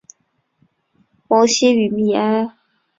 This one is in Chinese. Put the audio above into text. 蒙希于米埃。